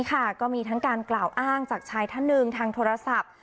ก็มีทั้งการกล่าวอ้างจากชายท่านหนึ่งทางโทรศัพท์